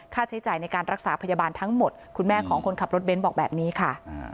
ใช้จ่ายในการรักษาพยาบาลทั้งหมดคุณแม่ของคนขับรถเบนท์บอกแบบนี้ค่ะ